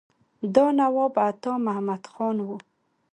دا نواب عطا محمد خان وو.